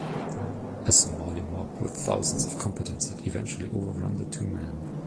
A Somali mob with thousands of combatants had eventually overrun the two men.